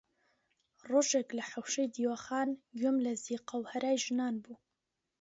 ڕۆژێک لە حەوشەی دیوەخان گوێم لە زیقە و هەرای ژنان بوو